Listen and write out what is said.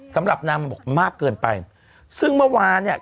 สำหรับนางมาบอกมากเกินไปซึ่งเมื่อวานเนี่ย